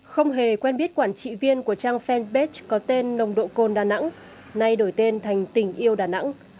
không hề quen biết quản trị viên của trang fanpage có tên nồng độ cồn đà nẵng nay đổi tên thành tình yêu đà nẵng